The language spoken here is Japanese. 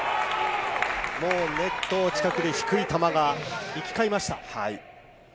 もうネット近くで低い球が行き交いました。